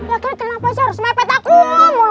akhirnya kenapa sih harus mepet aku